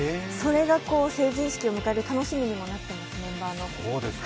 それが成人式を迎える楽しみにもなっています。